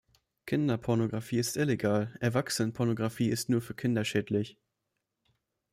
Kinderpornographie ist illegal, Erwachsenenpornographie ist nur für Kinder schädlich.